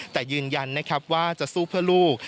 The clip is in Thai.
แต่ยืนยันว่าจะสู้เพื่อลูก